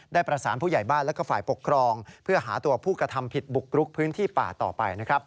ได้ประสานผู้ใหญ่บ้านและฝ่ายปกครองเพื่อหาตัวผู้กระทำผิดบุกรุกพื้นที่ป่าต่อไป